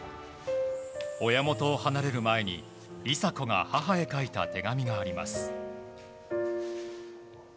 親元を離れる前に梨紗子が母へ書いた手紙があります。